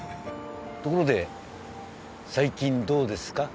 ところで最近どうですか？